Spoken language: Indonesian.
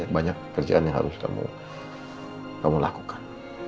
banyak kerjaan yang harus kamu lakukan